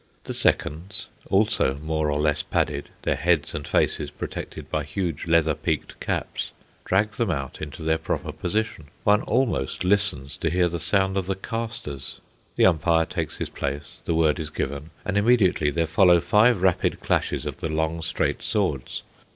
The seconds, also more or less padded their heads and faces protected by huge leather peaked caps, drag them out into their proper position. One almost listens to hear the sound of the castors. The umpire takes his place, the word is given, and immediately there follow five rapid clashes of the long straight swords.